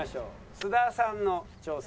須田さんの挑戦。